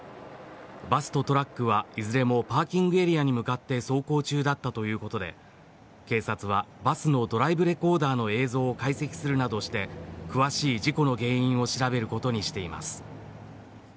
バスとトラックはいずれもパーキングエリアに向かって走行中だったということで警察はバスのドライブレコーダーの映像を解析するなどして詳しい事故の原因を調べることにしています。